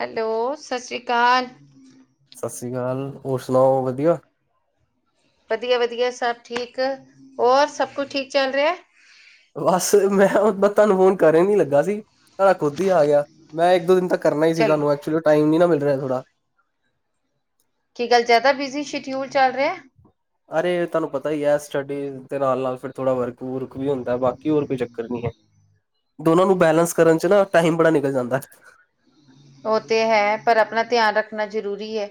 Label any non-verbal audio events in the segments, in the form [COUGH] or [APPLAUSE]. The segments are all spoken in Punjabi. ਹੈਲੋ ਸਤਿ ਸ੍ਰੀ ਅਕਾਲ, ਸਤਿ ਸ਼੍ਰੀ ਅਕਾਲ ਹੋਰ ਸੁਣਾਓ? ਵਧੀਆ, ਵਧੀਆ-ਵਧੀਆ, ਸਭ ਠੀਕ ਹੋਰ ਸਭ ਕੁਛ ਠੀਕ ਚੱਲ ਰਿਹਾ। ਬੱਤਾ ਨੂੰ ਫੋਨ ਕਰ ਨੀ ਲੱਗਾ ਸੀ। ਸਾਡਾ ਖੁਦ ਹੀ ਆ ਗਿਆ, ਮੈਂ ਇੱਕ ਦੋ ਦਿਨ ਤੱਕ ਕਰਨਾ ਹੀ ਸੀ ਚੱਲ ਤੁਹਾਨੂੰ ਐਕਚੁਲੀ ਟਾਈਮ ਨ ਨਾ ਮਿਲ। ਥੋੜਾ ਕੀ ਗੱਲ ਜ਼ਿਆਦਾ ਬਿਜ਼ੀ ਸ਼ਡਿਊਲ ਚੱਲ ਰਿਹਾ? ਅਰੇ ਤੁਹਾਨੂੰ ਪਤਾ ਹੀ ਹੈ ।ਸਟੱਡੀ ਦੇ ਨਾਲ ਨਾਲ ਫਿਰ ਥੋੜਾ ਵਰਕ ਵੁਰਕ ਵੀ ਹੁੰਦਾ ।ਬਾਕੀ ਹੋਰ ਕੋਈ ਚੱਕਰ ਨਹੀਂ ਹੈ। ਹ ਦੋਨਾਂ ਨੂੰ ਬੈਲੇੈਂਸ ਕਰਨ 'ਚ ਨਾ ਟਾਈਮ ਬੜਾ ਨਿਕਲ ਜਾਂਦਾ ਹੈ। ਉਹ ਤੇ ਹੈ ਪਰ ਆਪਣਾ ਧਿਆਨ ਰੱਖਣਾ ਜ਼ਰੂਰੀ ਹੈ।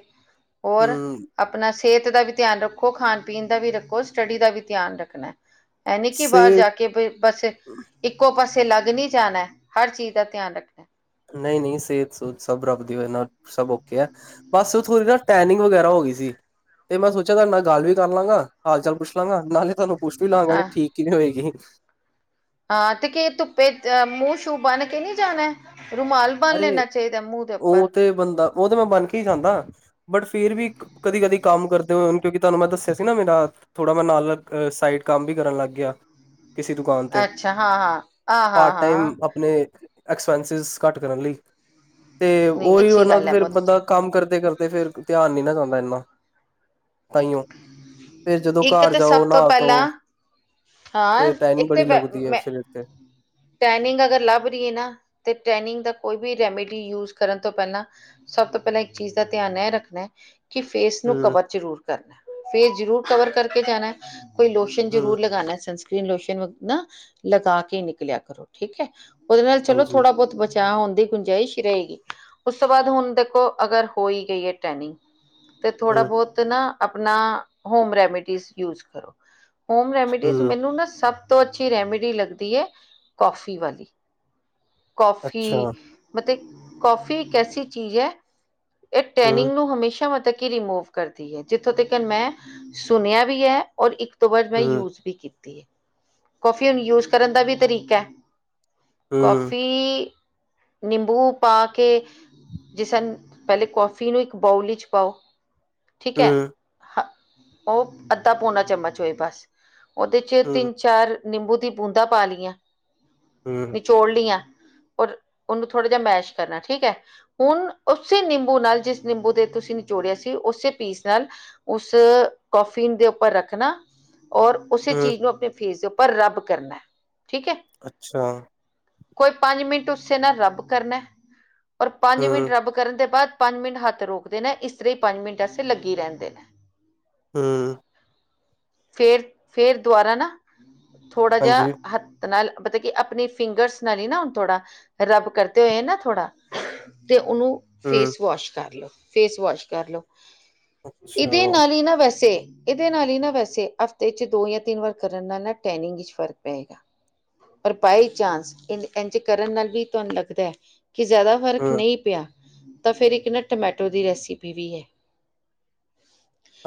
ਹੋਰ ਹਮ ਆਪਣਾ ਸਿਹਤ ਦਾ ਵੀ। ਧਿਆਨ ਰੱਖੋ, ਖਾਣ ਪੀਣ ਦਾ ਵੀ ਰੱਖੋ, ਸਟੱਡੀ ਦਾ ਵੀ ਧਿਆਨ ਰੱਖਣਾ। ਐ ਨੀ ਕਿ ਬਾਹਰ ਸਿਹਤ ਜਾ ਕੇ ਬਸ ਇੱਕੋ ਪਾਸੇ। ਤੇ ਲੱਗ ਨਹੀਂ ਜਾਣਾ ਹਰ ਚੀਜ਼ ਦਾ ਧਿਆਨ ਰੱਖਣਾ। ਨਹੀਂ, ਨਹੀਂ ਸਿਹਤ ਸੂਹਤ ਸਭ ਰੱਬ ਦੀ ਵਜ੍ਹਾ ਨਾਲ ਸਭ ਔਖੇ ਹੈ ।ਬਸ ਥੋੜੀ ਨਾ ਟੈਨਿੰਗ ਵਗੈਰਾ ਹੋ ਗਈ ਸੀ। ਤੇ ਮੈਂ ਸੋਚਿਆ ਤੁਹਾਡੇ ਨਾਲ ਗੱਲ ਵੀ ਕਰ ਲਾਂਗਾ। ਹਾਲ ਚਾਲ ਪੁੱਛ ਲਾਂਗਾ ਨਾਲੇ ਤੁਹਾਨੂੰ ਪੁੱਛ ਵੀ ਲਵਾਂਗਾ ਕਿ ਇਹ ਹਾਂ ਠੀਕ ਕਿਵੇਂ ਹੋਏਗੀ? ਹਾਂ ਤੇ ਕਿ ਧੁੱਪੇ ਅ ਮੂੰਹ ਸ਼ੂਹ ਬੰਨ ਕੇ ਨਹੀਂ ਜਾਣਾ ਏ। ਅਰੇ ਉਹ ਤੇ ਬੰਦਾ ਉਹ ਤੇ ਮੈਂ ਬਨ ਕੇ ਹੀ ਜਾਂਦਾ। ਬਟ ਫਿਰ ਵੀ ਕਦੀ ਕਦੀ ਕੰਮ ਕਰਦੇ ਹੋਏ ।ਕਿਉਂਕਿ ਤੁਹਾਨੂੰ ਮੈਂ ਦੱਸਿਆ ਸੀ ਨਾ ਮੇਰਾ ਥੋੜਾ ਮੈਂ ਨਾਲ ਸਾਈਡ। ਕੰਮ ਵੀ ਕਰਨ ਲੱਗ ਗਿਆ। ਕਿਸੇ ਦੁਕਾਨ ਤੇ ਅੱਛਾ ਹਾਂ ਹਾਂ ਆ ਹਾਂ ਪਾਰਟ ਟਾਈਮ ਹਾਂ ਆਪਣੇ ਐਕਸਪੈਂਸਿਸ ਘੱਟ ਕਰਨ ਲਈ ਅਤੇ ਨਹੀਂ ਉਹ ਹੀ ਅੱਛੀ ਵਰਨਾ ਗੱਲ ਤੇ ਹੈ ਫਿਰ ਬਹੁਤ ਅੱਛਾ ਬੰਦਾ ਕੰਮ ਕਰਦੇ ਕਰਦੇ। ਤੇ ਫੇਰ ਧਿਆਨ ਨੀ ਨਾ ਜਾਂਦਾ ਇੰਨਾ ਤਹੀਓ। ਫਿਰ ਜਦੋਂ ਇੱਕ ਘਰ ਤਾਂ ਸਭ ਜਾਓ ਤੋਂ ਨਹਾ ਧੋ। ਪਹਿਲਾਂ ਤੇ ਹਾਂ ਟੈਨਿੰਗ ਇੱਕ ਤਾਂ ਬੜੀ ਲੱਗਦੀ ਹੈ ਮ ਸਰੀਰ ਤੇ ਟੈਨਿੰਗ ਅਗਰ ਲੱਭ ਰਹੀ ਏ ਨਾ ਤੇ। ਟੈਨਿੰਗ ਦਾ ਕੋਈ ਵੀ ਰੈਮੀੇਡੀ ਯੂਜ ਕਰਨ ਤੋਂ ਪਹਿਲਾਂ ਸਭ ਤੋਂ ਪਹਿਲਾਂ ਇੱਕ ਚੀਜ਼ ਦਾ ਧਿਆਨ ਇਹ ਰੱਖਣਾ। ਕਿ ਫੇਸ ਨੂੰ ਹੂੰ ਕਵਰ ਜ਼ਰੂਰ ਕਰਨਾ ਫੇਸ ਜ਼ਰੂਰ ਕਵਰ ਕਰਕੇ ਜਾਣਾ। ਕੋਈ ਲੋਸ਼ਨ ਹੂੰ ਜ਼ਰੂਰ ਲਗਾਉਣਾ ।ਸਨਸਕ੍ਰੀਨ ਲੋਸ਼ਨ ਨਾ ਲਗਾ ਕੇ ਨਿਕਲਿਆ ਕਰੋ ਠੀਕ ਹੈ। ਉਹਦੇ ਨਾਲ ਚਲੋ ਹਾਂਜੀ ਥੋੜਾ ਬਹੁਤ ਬਚ। ਨਾ ਹੋਣ ਦੀ ਗੁੰਜਾਇਸ਼ ਹੀ ਰਹੇਗੀ ਉਸ ਤੋਂ ਬਾਅਦ ਹੁਣ ਦੇਖੋ ਅਗਰ ਹੋਈ ਗਈ ਹੈ ਟੈਨਿੰਗ। ਤੇ ਥੋੜ੍ਹਾ ਹੂੰ ਬਹੁਤ ਨਾ ਆਪਣਾ ਹੋਮ ਰੈਮੀਡੀਜ਼ ਯੂਜ ਕਰੋ। ਹੋਮ ਰੈਮਡੀਜ਼ ਹੂੰ ਮੈਨੂੰ ਨਾ ਸਭ ਤੋਂ ਅੱਛੀ ਰੈਮੇਡੀ ਲੱਗਦੀ ਹੈ। ਕੌਫੀ ਵਾਲੀ ਕੌਫੀ ਅੱਛਾ ਮਤਲਬ ਕੌਫੀ ਇੱਕ ਐਸੀ ਚੀਜ਼ ਹੈ। ਇਹ ਹੂੰ ਟੈਨਿੰਗ ਨੂੰ ਹਮੇਸ਼ਾ ਮਤਲਬ ਕੀ ਰਿਮੂਵ ਕਰਦੀ ਹੈ। ਜਿ ਇਥੋਂ ਤੱਕਰ ਮੈਂ ਸੁਣਿਆ ਵੀ ਹੈ, ਔਰ ਇੱਕ ਤੋਂ ਵੱਧ ਮੈਂ ਹੂੰ ਯੂਜ ਵੀ ਕੀਤੀ। ਕੌਫੀ ਹੁਣ ਯੂਜ ਕਰਨ ਦਾ ਵੀ ਤਰੀਕਾ ਏ ਹੂੰ ਕਾਫੀ ਨਿੰਬੂ ਪਾ ਕੇ। ਜੇ ਸਾਨੂੰ ਪਹਿਲੇ ਕੌਫੀ ਨੂੰ ਇੱਕ ਬਾਊਲ ਵਿੱਚ ਪਾਓ। ਠੀਕ ਹੈ, ਹੂੰ ਹ ਉਹ ਅੱਧਾ ਪੌਨਾ ਚੱਮਚ ਹੋਏ ਬਸ। ਉਹਦੇ ਚ ਹੂੰ ਤਿੰਨ ਚਾਰ ਨਿੰਬੂ ਦੀ ਬੂੰਦਾ ਪਾ ਲਈਆਂ ਹੂੰ ਨਿਚੋੜ ਲਈਆਂ। ਔਰ ਉਹਨੂੰ ਥੋੜਾ ਜਿਹਾ ਮੈਸ਼ ਕਰਨਾ ਠੀਕ ਹੈ। ਹੁਣ ਉਸੇ ਨਿੰਬੂ ਨਾਲ ਜਿਸ ਨਿੰਬੂ ਦੇ। ਤੁਸੀਂ ਨਿਚੋੜਿਆ ਸੀ, ਉਸੇ ਪੀਸ ਨਾਲ ਉਸ ਕੋਫੀੱਨ ਦੇ ਉੱਪਰ ਰੱਖਣਾ ਔਰ ਉਸੇ ਹੂੰ ਚੀਜ਼ ਨੂੰ ਆਪਣੇ ਫੇਸ ਦੇ ਉੱਪਰ। ਪਰ ਰਬ ਕਰਨੈ, ਠੀਕ ਏ। ਅੱਛਾ। ਕੋਈ ਪੰਜ ਮਿੰਟ ਉਸੇ ਨਾ ਰੱਬ ਕਰਨੈ ਔਰ ਪੰਜ ਹੂੰ ਮਿੰਟ ਰੱਬ ਕਰਨ ਦੇ ਬਾਅਦ। ਪੰਜ ਮਿੰਟ ਹੱਥ ਰੋਕ ਦੇਨਾਂ ਇਸ ਤਰਾਂ ਹੀ ਪੰਜ ਮਿੰਟ ਆਸਤੇ ਲੱਗੀ ਰਹਿਨ ਦੇਨਾ। ਹਮ। ਫੇਰ, ਫੇਰ ਦੁਬਾਰਾ ਨਾ ਥੋੜਾ ਜਿਹਾ ਹਾਂਜੀ, ਹਥ। ਨਾਲ ਪਤਾ ਹੈ, ਕਿ ਆਪਣੀ ਫਿੰਗਰਸ ਨਾਲ ਹੀ ਨਾ ਹੁਣ ਥੋੜਾ ਰੱਬ ਕਰਦੇ ਹੋਏ ਨਾ ਥੋੜ੍ਹਾ। ਤੇ ਉਹਨੂੰ ਹੂੰ, ਫੇਸ ਵਾਸ਼ ਕਰ ਲਓ, ਫੇਸ ਵਾਸ਼ ਕਰ ਲਓ। ਅੱਛਾ, ਇਹਦੇ ਨਾਲ ਹੀ ਨਾ ਵੈਸੇ। ਇਹਦੇ ਨਾਲ ਹੀ ਨਾ ਵੈਸੇ ਹਫ਼ਤੇ ਚ ਦੋ ਜਾਂ ਤਿੰਨ ਵਾਰ ਕਰਨ ਨਾਲ ਨਾ ਟੈਨਿੰਗ ਵਿੱਚ ਫ਼ਰਕ ਪਏਗਾ। ਪਰ ਬਾਏ ਚਾਂਸ ਇਦੇ ਇੰਝ ਕਰਨ ਨਾਲ ਵੀ ਤੁਹਾਨੂੰ ਲੱਗਦਾ। ਕਿ ਜ਼ਿਆਦਾ ਫ਼ਰਕ ਹੂੰ, ਨਹੀਂ ਪਿਆ ਤਾਂ ਫਿਰ ਇੱਕ ਨਾ ਟਮੈਟੋ ਦੀ ਰੈਸਿਪੀ ਵੀ ਹੈ।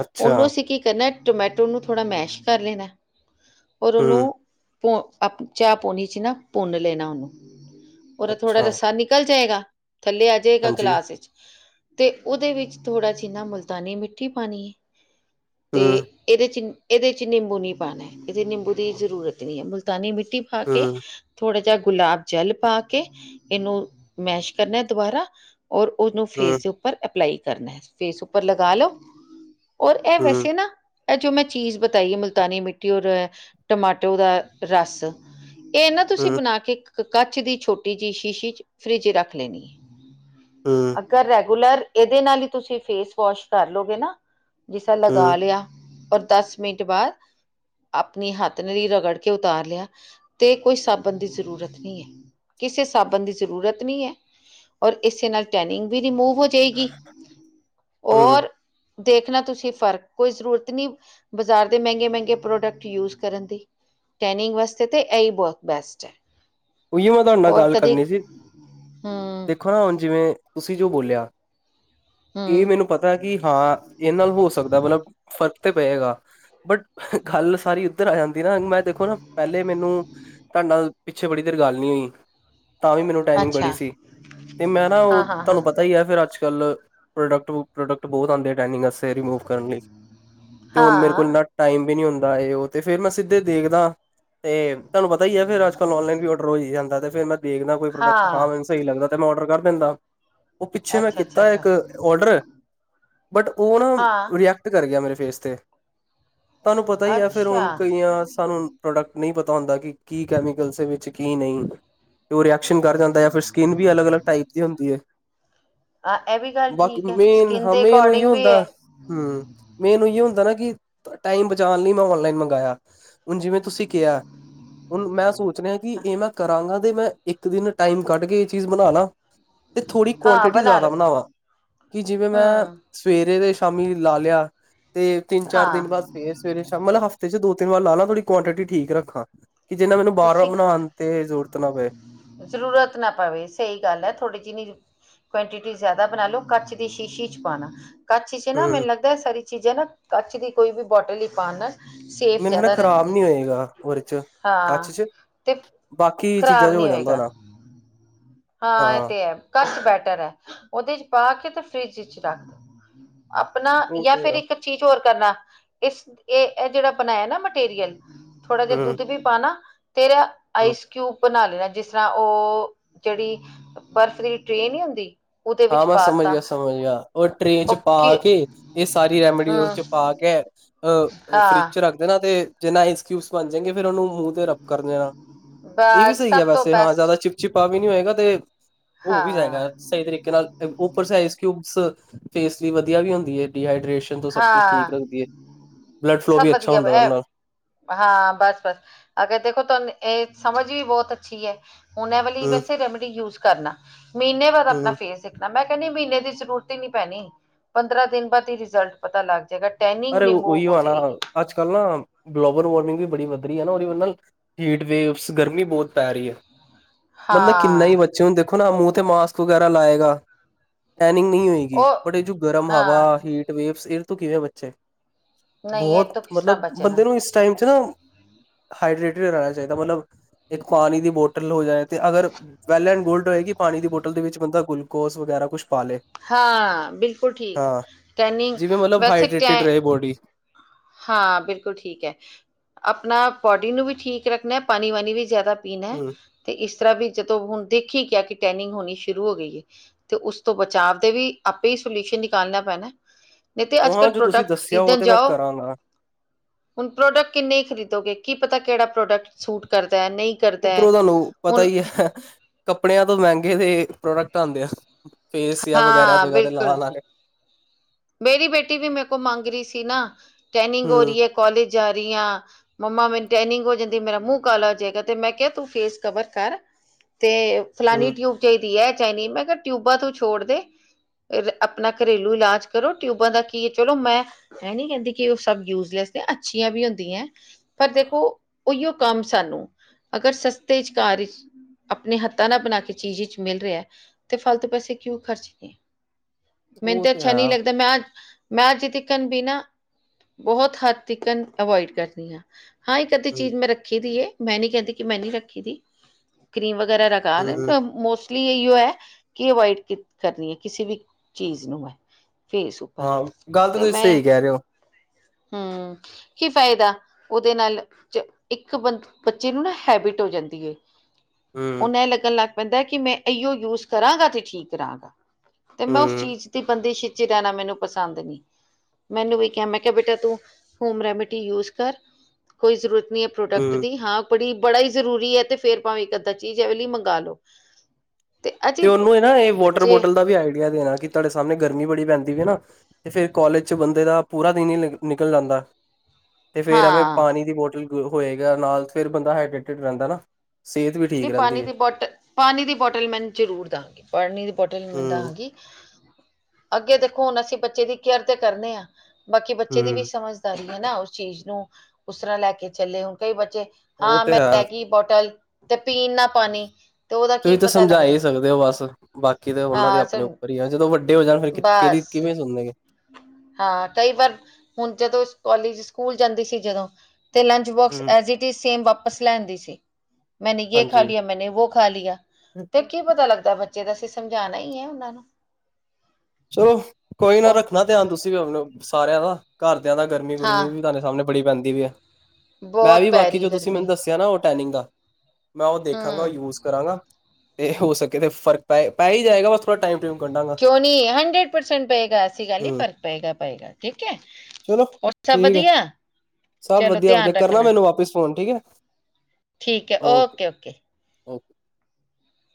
ਅੱਛਾ, ਉਹਨੂੰ ਅਸੀਂ ਕੀ ਕਰਨੈ ਟਮੈਟੋ ਨੂੰ ਥੋੜ੍ਹਾ ਮੈਸ਼ ਕਰ ਲੈਣੈ। ਔਰ ਉਹਨੂੰ ਹੂੰ, ਪ ਚਾਹ ਪੂਣੀ ਨਾ ਭੁੰਨ ਲੈਣਾ ਉਹਨੂੰ ਉਹਦਾ ਥੋੜ੍ਹਾ ਅੱਛਾ, ਰੱਸਾ ਨਿਕਲ ਜਾਏਗਾ ਥੱਲੇ ਆ ਜਾਏਗਾ ਹਾਂਜੀ, ਗਲਾਸ ਇਚ ਤੇ ਉਹਦੇ ਵਿੱਚ ਥੋੜ੍ਹਾ ਜਿਨਾ ਮੁਲਤਾਨੀ ਮਿੱਠੀ ਪਾਣੀ ਏ। ਤੇ ਹੂੰ, ਇਹਦੇ 'ਚ ਇਹਦੇ ਚ ਨਿੰਬੂ ਨੀ ਪਾਣੈ ਇਹ ਨਿੰਬੂ ਦੀ ਜ਼ਰੂਰਤ ਨੀ ਹੈ ਮੁਲਤਾਨੀ ਮ ਪਾ ਕੇ ਹੂੰ, ਥੋੜਾ ਜਿਹਾ ਗੁਲਾਬ ਜਲ ਪਾ ਕੇ ਇਹਨੂੰ ਮੈਸ਼ ਕਰਨੈ ਦੁਬਾਰਾ ਔਰ ਉਨੂੰ ਹੂੰ, ਫੇਸ ਦੇ ਉੱਪਰ ਅਪਲਾਈ ਕਰਨਾ ਫੇਸ ਉੱਪਰ ਲਗਾ ਲਓ। ਔਰ ਇਹ ਹੂੰ, ਵੈਸੇ ਨਾ ਇਹ ਜੋ ਮੈਂ ਚੀਜ਼ ਬਤਾਈ ਏ ਮੁਲਤਾਨੀ ਮਿੱਟੀ ਔਰ ਟਮਾਟੋ ਦਾ ਰਸ ਇਹ ਨਾ ਤੁਸੀਂ ਹੂੰ, ਬਣਾ ਕੇ 'ਕ ਕਚੱ ਦੀ ਛੋਟੀ ਜਿਹੀ ਸ਼ੀਸ਼ੀ 'ਚ ਫਰਿੱਜ ਰੱਖ ਲੈਣੀ ਏ। ਹੂੰ, ਅਗਰ ਰੈਗੂਲਰ ਇਹਦੇ ਨਾਲ ਹੀ ਤੁਸੀਂ ਫੇਸ ਵਾਸ਼ ਕਰ ਲੋਗੇ ਨਾ। ਜਿਸਾ ਲਗਾ ਹੂੰ, ਲਿਆ ਔਰ ਦਸ ਮਿੰਟ ਬਾਅਦ ਆਪਣੀ ਹੱਥ ਨੇ ਰਗੜ ਕੇ ਉਤਾਰ ਲਿਆ ਤੇ ਕੋਈ ਸਾਬਣ ਦੀ ਜ਼ਰੂਰਤ ਨਹੀਂ ਹੈ। ਕਿਸੇ ਸਾਬਣ ਦੀ ਜ਼ਰੂਰਤ ਨਹੀਂ ਹੈ ਔਰ ਇਸੇ ਨਾਲ ਟੈਨਿੰਗ ਵੀ ਰਿਮੂਵ ਹੋ ਜਾਏਗੀ ਹੂੰ, ਔਰ ਦੇਖਣਾ ਤੁਸੀਂ ਫ਼ਰਕ ਕੋਈ ਜ਼ਰੂਰਤ ਨਹੀਂ ਬਜ਼ਾਰ ਦੇ ਮਹਿੰਗੇ- ਮਹਿੰਗੇ ਪ੍ਰੋਡਕਟ ਯੂਜ ਕਰਨ ਦੀ। ਟੈਨਿੰਗ ਵਾਸਤੇ ਤੇ ਤਾਂ ਇਹਹੀ ਬਹੁਤ ਬੈਸਟ ਹੈ। ਉਹੀਔ ਮੈਂ ਤੁਹਾਡੇ ਨਾਲ ਔਰ ਗੱਲ ਕਦੇ ਕਰਨੀ ਸੀ ਹਮ ਦੇਖੋ ਨਾ ਹੁਣ ਜਿਵੇਂ ਤੁਸੀਂ ਜੋ ਬੋਲਿਆ ਇਹ ਹਮ ਮੈਨੂੰ ਪਤਾ ਕਿ ਹਾਂ ਇਹ ਨਾਲ ਹੋ ਸਕਦਾ, ਮਤਲਬ ਫਰਕ ਤੇ ਪਏਗਾ ਬੱਟ ਗੱਲ ਸਾਰੀ ਇਧਰ ਆ ਜਾਂਦੀ ਨਾ। ਮੈਂ ਦੇਖੋ ਨਾ ਪਹਿਲੇ। ਪਲੇ ਮੈਨੂੰ ਤੁਹਾਡੇ ਨਾਲ ਪਿੱਛੇ ਬੜੀ ਦੇਰ ਗੱਲ ਨਹੀਂ ਹੋਈ। ਤਾਂ ਵੀ ਮੈਨੂੰ ਟਾਈਨਿੰਗ ਬੜੀ ਅੱਛਾ ਸੀ ਤੇ ਮੈਂ ਨਾ ਉਹ ਹਾਂ ਹਾਂ ਹਾਂ ਤੁਹਾਨੂੰ ਪਤਾ ਹੀ ਹੈ ਫਿਰ ਅੱਜ ਚੱਲ ਪ੍ਰੋਡਕਟ ਪ੍ਰੋਡਕਟ ਬਹੁਤ ਆਉਂਦੇ ਨੇਂ ਟੈਨਿੰਗ ਆਸਤੇ ਰਿਮੂਵ ਕਰਨ ਲਈ ਤੇ ਹੁਣ ਮੇਰੇ ਕੋਲ ਹਾਂ ਏਨਾ ਟਾਇਮ ਵੀ ਨਹੀਂ ਹੁੰ ਏ ਉਹ ਤੇ ਫੇਰ ਮੈਂ ਸਿੱਧੇ ਦੇਖਦਾ ਤੇ ਤੁਹਾਨੂੰ ਪਤਾ ਹੀ ਹੈ ਫੇਰ ਅੱਜ ਔਨਲਾਈਨ ਵੀ ਔਡਰ ਹੋ ਹੀ ਜਾਂਦਾ ਫਿਰ ਮੈਂ ਦੇਖਦਾ ਕੋਈ ਪ੍ਰੋਡਕਟ ਹਾਂ ਮੈਨੂੰ ਸਹੀ ਲੱਦਾ ਮੈਂ ਔਡਰ ਕਰ ਦਿੰਦਾ। ਉਹ ਪਿੱਛੇ ਮੈਂ ਅੱਛਾ ਅੱਛਾ ਕੀਤਾ ਅੱਛਾ ਇੱਕ ਆਡਰ ਬਟ ਉਹ ਨਾ ਹਾਂ ਰਿੀਐਕਟ ਕਰ ਗਿਆ ਮੇਰੇ ਫੇਸ ਤੇ ਤੁਹਾਨੂੰ ਪਤਾ ਹੀ ਹੈ ਫਿਰ ਅੱਛਾ ਹੁਣ ਕਈਆਂ ਸਾਨੂੰ ਪ੍ਰੋਡਕਟ ਨਹੀਂ ਪਤਾ ਹੁੰਦਾ ਕਿ ਕੀ ਕੈਮੀ ਲਸ ਵਿੱਚ ਕੀ ਨਹੀਂ ਰੀਐਕਸ਼ਨ ਕਰ ਜਾਂਦਾ ਹੈ ਫਿਰ ਸਕਿੰਨ ਵੀ ਅਲੱਗ- ਅਲੱਗ ਟਾਈਪ ਦੀ ਹੁੰਦੀ ਏ ਹਾਂ ਇਹ ਵੀ ਗੱਲ ਬਾਕੀ ਠੀਕ ਹੈ ਮੇਨ ਸਕਿਨ ਹਾਂ ਦੇ ਮੇਨ ਉਹੀ ਅਕੋਰਡਿੰਗ ਵੀ ਹੁੰਦਾ ਹੈ ਹੂੰ ਮੇਨ ਉਹੀ ਹੁੰਦਾ ਨਾ। ਟਾਈਮ ਬਚਾਉਣ ਲਈ ਮੈਂ ਓਨਲਾਈਨ ਮੰਗਇਆ ਹੁਣ ਜਿਵੇਂ ਤੁਸੀਂ ਕਿਹਾ ਹੁਣ ਮੈਂ ਸੋਚ ਸੋਚ ਕਿ ਇਹ ਮੈਂ ਕਰਾਂਗਾ ਤੇ ਮੈਂ ਇੱਕ ਦਿਨ ਟਾਈਮ ਕੱਢ ਕੇ ਇਹ ਚੀਜ਼ ਬਣਾ ਲਾ। ਤੇ ਥੋੜ੍ਹੀ ਹਾਂ ਕੁਆਂਟਿਟੀ ਬਣਾ ਜ਼ਿਆਦਾ ਲਓ ਬਣਾਵਾਂ ਕਿ ਜਿਵੇਂ ਮੈਂ ਹੂੰ ਸਵੇਰੇ ਦੇ ਸ਼ਾਮੀ ਲਾ ਲਿਆ ਤੇ ਤਿੰਨ ਚਾਰ ਦਿਨ ਬਾਅਦ ਹਾਂ ਸਵੇਰੇ- ਸਵੇਰੇ ਸ਼ਾਮ ਮਤਲਬ ਹਫ਼ਤੇ 'ਚ ਦੋ ਤਿੰਨਵਾਰ ਥੋੜੀ ਕੁਆਂਟਿਟੀ ਠੀਕ ਰੱਖ ਕਿ ਜਿਹਨਾ ਮੈਨੂੰ ਬਾਰ- ਬਾਰ ਤੁਸੀਂ ਬਣਾਉਣ ਦੀ ਜ਼ਰੂਰਤ ਨਾ ਪਏ ਜ਼ਰੂਰਤ ਨਾ ਪਵੇ ਸਹੀ ਗੱਲ ਹੈ ਥੋੜ੍ਹੀ ਜਿਨੀ ਕੁਆਂਟਿਟੀ ਜ਼ਿਆਦਾ ਬਣਾ ਲਓ ਕਛ ਦੀ ਸ਼ੀਸ਼ੀ 'ਚ ਪਾਉਣਾ ਕਛ 'ਚ ਨਾ ਹੂੰ ਮੈਨੂੰ ਲੱਗਦਾ ਇਹ ਸਾਰੀ ਚੀਜ਼ਾਂ ਨਾ ਕਚ ਦੀ ਕੋਈ ਵੀ ਬੋਟਲ ਹੀ ਪਾਉਣ ਨਾਲ ਸੇਫ ਮੈਨੂੰ ਖਰਾ ਜ਼ਿਆਦਾ ਖ਼ਰਾਬ ਰਹਿੰਦੀ ਹੈ ਨੀ ਹੋਏਗਾ ਉਹਦੇ ਚ ਹਾਂ। ਕੱਚ ਚ ਤੇ ਬਾਕੀ ਚੀਜ਼ਾਂ ਖਰਾਬ ਚ ਹੋ ਨੀ ਜਾਂਦਾ ਹੋਏਗਾ। ਨਾ ਹਾਂ ਇਹ ਤੇ ਹੈ ਕਚ ਬੈਟਰ ਹੈ ਉਹਦੇ 'ਚ ਪਾ ਕੇ ਤੇ ਫਰਿਜ 'ਚ ਰੱਖ ਆਪਣਾ ਉਹ ਜਾਂ ਤੇ ਫਿਰ ਆ। ਇੱਕ ਚੀਜ਼ ਹੋਰ ਕਰਨਾ ਇਸ ਇਹ- ਇਹ ਜਿਹੜਾ ਬਣਾਇਆ ਨਾ ਮਟੀਰੀਅਲ ਥੋੜਾ ਜਿਹਾ ਹੂੰ ਦੁੱਧ ਵੀ ਪਾਣਾ ਤੇ ਹੂੰ ਆਈਸਕਊਬ ਬਣਾ ਲੈਣਾ ਜਿਸ ਤਰ੍ਹਾਂ ਉਹ ਜਿਹੜੀ ਬਰਫ਼ ਦੀ ਟ੍ਰੇਨ ਹੀ ਹੁੰਦੀ। ਉਹਦੇ ਵਿੱਚ ਹਾਂ ਮੈਂ ਸਮਝ ਪਾਤਾ ਗਿਆ- ਸਮਝ ਗਿਆ ਉਹਰ ਟਰੇਨ 'ਚ ਪਾ ਓਕੇ ਕੇ ਇਹ ਸਾਰੀ ਰੈਮਡੀ ਰ ਹਮ 'ਚ ਪਾ ਕੇ ਅਹ ਫਰਿਜ ਹਾਂ 'ਚ ਰੱਖਦੇ ਨਾ ਤੇ ਜਿੰਨਾ ਆਈਸਕਊਬਸ ਬਣ ਜਾਗੇ। ਫਿਰ ਉਹਨੂੰ ਮੂੰਹ ਤੇ ਰੱਪ ਕਰਨ ਦੇਣਾ ਇਹ ਵੀ ਬਸ ਸਹੀ ਸਭ ਹੈ ਤੋਂ ਵੈਸੇ ਹਾਂ ਬੈਸਟ ਜ਼ਿਆਦਾ ਚਿਪ ਚਿਪ ਆ ਵੀ ਨੀ ਹੋਏਗਾ ਤੇ ਉਹ ਹੋ ਵੀ ਹਾਂ ਜਾਏਗਾ ਸਹੀ ਤਰੀਕੇ ਉਪਰ ਸਊਬ ਫੇਸ ਵਧੀਆ ਵੀ ਹੁੰਦੀ ਹੈ ਡੀਹਾ। ਤੋਂ ਸਭ ਕੁਛ ਠੀਕ ਹਾਂ ਰੱਖਦੀ ਹੈ। ਬਲੱਡ ਫਲੋ ਸਭ ਵੀ ਅੱਛਾ ਵਧੀਆ ਹੁੰਦਾ ਉਹਦੇ ਨਾਲ। ਇਹ ਹਾਂ ਬਸ ਬਸ ਅਗਰ ਦੇਖੋ ਤੁਹਾਨੂੰ। ਸਮਝ ਵੀ ਬਹੁਤ ਅੱਛੀ ਹੈ ਹੁਣ ਇਹ ਵਾਲੀ ਹੂੰ ਵੈਸੇ ਰੈਮਡੀ ਯੂਜ ਕਰਨਾ। ਮਹੀਨੇ ਬਾਅਦ ਆਪਣਾ ਹੂੰ ਫੇਸ ਦੇਖਣਾ ਮੈਂ। ਕਹਿੰਦੀ ਮਹੀਨੇ ਦੀ ਜ਼ਰੂਰਤ ਹੀ ਨੀ ਪੈਣੀ ਪੰਦਰਾਂ ਦਿਨ ਬਾਅਦ ਹੀ ਰਿਜਲਟ ਪਤਾ ਲੱਗ ਜਾਏਗਾ। ਟਰਨਿੰਗ ਅਰੇ ਉਹੀ ਰਿਮੂਵਲ। ਆ ਅੱਜ ਕੱਲ੍ਹ ਨਾ ਗਲੋਬਲ ਵਾਰਮਿੰਗ ਵੀ ਬੜੀ ਵੱਧ ਰਹੀ ਹੈ ਨਾ ਉਹ। ਹੀਟਵੇੇਵਸ ਗਰਮੀ ਬਹੁਤ ਪੈ ਰਹੀ ਹੈ ਬੰਦਾ ਕਿੰਨਾ ਹੀ ਹਾਂ ਬੱਚੇ ਹੁੰਦੇ। ਦੇਖੋ ਨਾ ਮੂੰਹ ਤੇ ਮਾਸਕ ਵਗੈਰਾ ਲਾਏਗਾ। ਟੈਨਿੰਗ ਨਹੀਂ ਹੋਏਗੀ ਉਹ ਬਟ ਇਹ ਜੋ ਗਰਮ ਹਵਾ ਹੀਟ ਵੇਵਸ ਇਹ ਤੋਂ ਕਿਵੇਂ ਬੱਚੇ। ਬਹੁਤ ਮਤਲਬ ਬੰਦੇ ਨੂੰ ਇਸ ਟਾਈਮ 'ਚ ਨਾ। ਹਾਈਡਰੇੇਟਿਡ ਰਹਿਣਾ ਚਾਹੀਦਾ ਮਤਲਬ ਇੱਕ ਪਾਣੀ ਦੀ ਬੋਤਲ ਹੋ ਜਾਏ ਤੇ ਅਗਰ ਵੈੱਲ ਐਂਡ ਗੋਲਡ। ਕਿ ਪਾਣੀ ਦੀ ਬੋਟਲ ਦੇ ਵਿੱਚ ਬੰਦਾ ਗਲੂਕੋਸ ਵਗੈਰਾ ਕੁੱਛ। ਹਾਂ ਬਿਲਕੁਲ ਠੀਕ ਟੈਨਿੰਗ ਵੈਸੇ। ਫਿਟ ਰਹੇ ਬੋਡੀ। ਹਾਂ ਬਿਲਕੁਲ ਠੀਕ ਹੈ। ਆਪਣਾ ਬੋਡੀ ਨੂੰ ਵੀ ਠੀਕ ਰੱਖਣਾ ਪਾਣੀ ਵਾਣੀ ਵੀ ਜ਼ਿਆਦਾ। ਪੀਣਾ ਹੂੰ ਤੇ ਇਸ ਤਰ੍ਹਾਂ ਵੀ ਜਦੋਂ ਹੁਣ ਦੇਖੀ ਕਿ। ਕਹਿ ਕਿ ਟ੍ਰੇਨਿੰਗ ਹੋਣੀ ਸ਼ੁਰੂ ਹੋ ਗਈ ਹੈ ਤੇ ਉਸ ਤੋਂ ਬਚਾਅ ਦੇ ਵੀ ਆਪੇ ਹੀ ਸੋਲਿਊਸ਼ਨ ਨਿਕਾਲਣਾ ਪੈਣਾ। ਨਹੀਂ ਤਾਂ ਅੱਜ ਹਾਂ ਕੱਲ ਜੋ ਤੁਸੀਂ ਪ੍ਰੋਡਕਟ ਦੱਸਿਆ ਉਹ ਖਰੀਦਣ ਤੇ ਮੈਂ ਜਾਓ ਕਰਾਂਗਾ ਹੁਣ ਪ੍ਰੋਡਕਟ ਕਿੰਨੇ ਖਰੀਦੋਗੇ ਕਿ। ਪਤਾ ਕਿਹੜਾ ਪ੍ਰੋਡਕਟ ਸੂਟ ਕਰਦਾ। ਹੈ ਨਹੀਂ ਕਰਦਾ ਹੈ। ਉੱਪਰੋਂ ਤੁਹਾਨੂੰ ਪਤਾ ਹੁਣ ਹੀ ਹੈ ਕੱਪੜਿਆਂ ਤੋਂ ਮਹਿੰਗੇ ਦੇ ਪ੍ਰੋਡਕਟ ਆਉਂਦੇ ਆ। ਫੇਸ ਜਾਂ ਵਗੈਰਾ ਹਾਂ ਜਗ੍ਹਾ ਤੇ ਬਿਲਕੁਲ ਲਾ ਲੇ। ਮੇਰੀ ਬੇਟੀ ਵੀ ਮੇਰੇ ਕੋਲ ਮੰਗ ਰਹੀ ਸੀ ਨਾ ਟ੍ਰੈਨਿੰਗ ਹੋ ਹੂੰ ਰਹੀ ਹੈ ਕਾਲਜ। ਜਾ ਰਹੀਆਂ ਮੰਮਾ ਮੈਨ ਟੇਨਿੰਗ ਹੋ ਜਾਂਦੀ ਮੇਰਾ ਮੂੰਹ ਕਾਲਾ ਹੋ ਜਾਏਗਾ ਤੇ ਮੈਂ ਕਿਹਾ ਤੂੰ ਫੇਸ ਕਵਰ ਕਰ। ਤੇ ਫਲਾਨੀ ਹੂੰ ਟਿਊਬ ਚਾਹੀਦੀ। ਮੈਂ ਕਿਹਾ ਟਿਊਬਾਂ ਤੂੰ ਛੋੜ ਦੇ ਆਪਣਾ ਘਰੇਲੂ ਇਲਾਜ। ਕਰੋ ਟਿਊਬਾਂ ਦਾ ਕੀ ਚਲੋ ਮੈਂ ਇਹ ਨਹੀਂ ਕਹਿੰਦੀ ਉਹ ਸਭ ਯੂਜ਼ਲੈਸ ਅੱਛੀਆਂ ਵੀ ਹੁੰਦੀਆਂ। ਪਰ ਦੇਖੋ ਉਹੀਓ ਕੰਮ ਸਾਨੂੰ ਅਗਰ ਸਸਤੇ ਚ ਕਾਰ ਚ। ਆਪਣੇ ਹੱਥਾਂ ਨਾਲ ਬਣਾ ਕੇ ਚੀਜ਼ ਵਿੱਚ ਮਿਲ ਰਿਹਾ ਤੇ ਫਾਲਤੂ ਪੈਸੇ ਕਿਉਂ ਖਰਚਣੇ। ਮੈਨੂੰ ਉਹ ਤਾਂ ਤੇ ਅੱਛਾ ਹੇ। ਨਹੀਂ ਲੱਗਦਾ ਮੈਂ ਮੈਂ ਅੱਜ ਤਿਕਨ ਵੀ ਨਾ। ਬਹੁਤ ਹੱਥ ਤਿਕਨ ਅਵੋਇਡ ਕਰਨੀ ਆ। ਹਾਂ ਇੱਕ ਅੱਧੀ ਚੀਜ਼ ਮੈਂ ਰੱਖੀ ਦੀ ਮੈਂ ਨੀ ਕਹਿੰਦੀ ਕਿ ਮੈਂ ਨੀ ਰੱਖੀ ਦੀ ਕਰੀਮ । ਹੂੰ-ਹੂੰ-ਹੂੰ। [UNINTELLIGIBLE] [UNINTELLIGIBLE] [UNINTELLIGIBLE] ਕਿ ਅਵੋਇਡ ਕਰਨੀ ਏ ਕਿਸੇ ਵੀ ਚੀਜ਼ ਨੂੰ । ਹਾਂ ਗੱਲ ਤਾ ਤੁਸੀਂ ਸਹੀ ਕਹਿ ਰਹੇ ਹੋ। ਹਮ ਕੀ ਫਾਇਦਾ ਉਹਦੇ ਨਾਲ ਇੱਕ ਬੱਚੇ ਨੂੰ ਨਾ ਹੈਬਿਟ ਹੋ ਜਾਂਦੀ। ਉਹਨਾਂ ਏਹ ਲੱਗਣ ਲੱਗ ਪੈਂਦਾ ਕਿ ਮੈਂ ਇਓ ਯੂਜ ਕਰਾਂਗਾ ਤੇ ਠੀਕ ਰਹਾਂਗਾ। ਤੇ ਮੈਂ ਉਸ ਹੂੰ-ਹੂੰ-ਹੂੰ। ਚੀਜ਼ ਦੀ ਬੰਦਿਸ਼ ਚ ਰਹਿਣਾ ਮੈਨੂੰ ਪਸੰਦ ਨਹੀ। ਮੈਨੂੰ ਵੀ ਕਿਹਾ ਮੈਂ ਕਿਹਾ ਬੇਟਾ ਤੂੰ ਹੋਮ ਰੈਮਡੀ ਯੂਜ ਕਰ ਕੋਈ ਜ਼ਰੂਰਤ। ਏ ਪ੍ਰੋਡਕਟ ਦੀ ਹਾਂ। ਬੜੀ ਬੜਾ ਹੀ ਜ਼ਰੂਰੀ ਹੈ ਤੇ ਫੇਰ ਭਾਵੇ ਏਕ ਅੱਧਾ ਚੀਜ਼ ਐਵੇ ਲਈ ਮੰਗਵਾ ਲੋ। ਤੇ ਉਹਨੂੰ ਨਾ ਇਹ ਵੋਟਰ ਬੋਟਲ ਦਾ ਵੀ ਆਈਡੀਆ ਨਹੀ ਹੈਗਾ ਕਿ ਤੁਹਾਡੇ ਸਾਹਣੇ ਗਰਮੀ ਬੜੀ ਪੈਂਦੀ। [UNINTELLIGIBLE] ਫਿਰ ਕੋਲਜ ਚ ਬੰਦੇ ਦਾ ਪੂਰਾ ਦਿਨ ਹੀ ਨਿਕਲ ਜਾਂਦਾ। ਤੇ ਫੇਰ ਐਵੇਂ ਹਾਂ ਪਾਣੀ ਦੀ ਬੋਤਲ ਹੋਏਗਾ ਨਾਲ ਫਿਰ ਬੰਦਾ ਹਾਈਡਰੇਟਡ ਰਹਿੰਦਾ ਨਾ। ਸਿਹਤ ਵੀ ਤੇ ਠੀਕ ਰਹਿੰਦੀ ਪਾਣੀ ਹੈ। ਦੀ ਬੋਟਲ ਪਾਣੀ ਦੀ ਬੋਟਲ ਮੈਨੂੰ ਜ਼ਰੂਰ ਦੇਵਾਂਗੀ ਪਾਣੀ ਦੀ। ਬੋਤਲ ਮੈ ਹੂੰ-ਹੂੰ। ਦਾਗੀ, ਅੱਗੇ ਦੇਖੋ ਹੁਣ ਅਸੀਂ ਬੱਚੇ ਦੀ ਕੇਅਰ ਤੇ ਕਰਨੇ ਆ ਬਾਕੀ ਬੱਚੇ ਦੀ ਵੀ ਸਮਝਦਾਰੀ ਹੈ, ਨਾ ਉਸ ਚੀਜ਼ ਨੂੰ ਉਸਰਾ ਲੈ ਕੇ ਚੱਲੇ ਹੁਣ ਕਈ ਬੱਚੇ ਉਹ ਹਾ ਤੇ ਮੈਂ ਹੈ ਲੇਗੀ ਬੋਟਲ ਤੇ ਪੀਣ ਨਾ ਪਾਣੀ ਤੇ ਉਹਦਾ ਕੀ ਤੁਸੀਂ ਤਾਂ ਪਤਾ ਸਮਝਾ ਲੱਗਦਾ ਹੀ ਸਕਦੇ ਹੋ, ਬਸ ਬਾਕੀ ਤੇ ਉਹਨਾਂ ਦੇ ਹਾਂ ਸ ਆਪਣੇ ਉੱਪਰ ਹੀ ਹੇ ਜਦੋਂ ਵੱਡੇ ਹੋ ਜਾਣ ਫਿਰ ਕਿ ਕਿਦੀ ਬਸ ਕਿਵੇ ਸੁਣਗੇ ਹਾਂ ਕਈ ਵਾਰ ਹੁਣ ਜਦੋਂ ਕੋਲਜ, ਸਕੂਲ ਜਾਂਦੀ ਸੀ ਜਦੋਂ ਤੇ ਲੰਚ ਬੋਕਸ ਐਜਟੀਜ ਸੇਮ ਵਾਪਸ ਲੈ ਆਂਦੀ ਸੀ। ਮੈਨੇ ਯੇ ਹਾਂਜੀ। ਖਾਲੀ ਮੈਂਨੇ ਵੋ ਖਾਲੀ ਆ, ਤੇ ਕੀ ਪਤਾ ਲੱਗਦਾ ਬੱਚ [UNINTELLIGIBLE] ਅਸੀ ਸਮਝਾਣਾ ਏ ਉਹਨਾਂ ਨੂੰ ਚਲੋ ਕੋਈ ਨਾ ਉਹ ਰੱਖਣਾ ਧਿਆਨ ਤੁਸੀਂ ਵੀ ਆਪਣੇ, ਸਾਰਿਆਂ ਦਾ ਘਰ ਦਾ ਗਰਮੀ ਹਾਂ ਗੁਰਮੀ ਵੀ ਤੁਹਾਡੇ ਸਾਹਮਣੇ ਬੜੀ ਪੈਂਦੀ ਪਈ ਹੇ, ਮੈਂ ਬਹੁਤ ਵੀ ਪੈ ਬਾਕੀ ਰਹੀ ਜੋ ਤੁਸੀਂ ਗਰਮੀ ਮੈਨੂੰ ਦੱਸਿਆ ਨਾ ਟੈਨਿੰਗ ਦਾ ਮੈਂ ਉਹ ਦੇਖਾਂਗਾ, ਉਹ ਹਮ ਯੂਜ ਕਰਾਂਗਾ ਤੇ ਹੋ ਸਕੇ ਤੇ ਫਰਕ ਪੈ-ਪੈ ਹੀ ਜਾਏਗਾ, ਬਸ ਥੋੜ੍ਹਾ ਟਾਈਮ [UNINTELLIGIBLE] ਕਿਉਂ ਨਹੀ ਹੰਡਰਡ ਪਰਸੈਂਟ ਪਏਗਾ, ਏਸੀ ਗੱਲ ਹੀ ਹੂੰ ਫ਼ਰਕ ਪਏਗਾ-ਪਏਗਾ ਠੀਕ ਹੈ। ਚਲੋ ਹੋਰ ਸਭ ਠੀਕ ਹੈ ਵਧੀਆ। ਸਭ ਚਲੋ ਵਧੀਆ-ਵਧੀਆ, ਧਿਆਨ ਕਰਨਾ ਰੱਖਣਾ ਮੈਨੂੰ ਵਾਪਿਸ ਫੋਨ ਠੀਕ ਹੈ। ਠੀਕ ਹੈ, ਓਕੇ ਓਕੇ-ਓਕੇ। [UNINTELLIGIBLE]